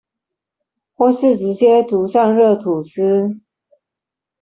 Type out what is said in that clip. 或是直接塗上熱吐司